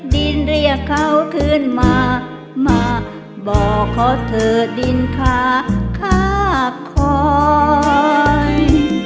ดินเรียกเขาขึ้นมามาบอกขอเถอะดินขาข้าคอย